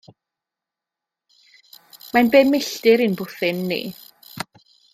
Mae'n bum milltir i'n bwthyn ni.